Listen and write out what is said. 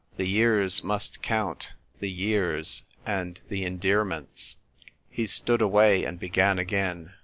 The years must count — the years and the endearments." He stood away and began again.